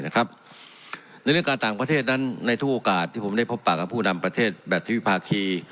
ในเรื่องการต่างประเทศนั้นในทุกโอกาสที่ผมได้พบปากกับผู้นำประเทศแบบทวิภาคี